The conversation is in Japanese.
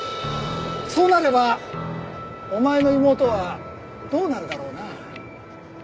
そうなればお前の妹はどうなるだろうな？